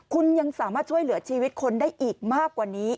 คุณยังสามารถช่วยเหลือชีวิตคนได้อีกมากกว่านี้